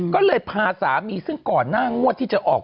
ก็เลยพาสามีซึ่งก่อนหน้างวดที่จะออก